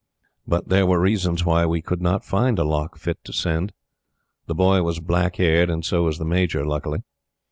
But there were reasons why we could not find a lock fit to send. The Boy was black haired, and so was the Major, luckily.